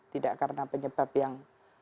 tidak karena penyebab yang